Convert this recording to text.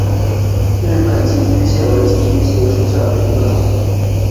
日本寄居蟹为寄居蟹科寄居蟹属下的一个种。